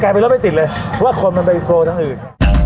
การไปรถปิดเลยเพราะว่าคนมันไปทะเลทั้งอื่น